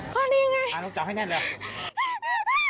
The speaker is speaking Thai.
ต้องจับให้แน่นเลย